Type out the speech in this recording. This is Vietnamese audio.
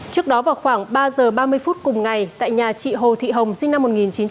trước đó vào khoảng ba h ba mươi phút cùng ngày tại nhà chị hồ thị hồng sinh năm một nghìn chín trăm bảy mươi chín